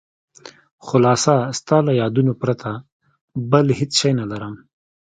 خلاصه ستا له یادونو پرته بل هېڅ شی نه لرم.